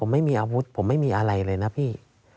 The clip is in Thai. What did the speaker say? ไม่มีอาวุธผมไม่มีอะไรเลยนะพี่